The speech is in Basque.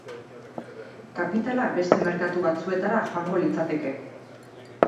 Kapitala beste merkatu batzuetara joango litzateke.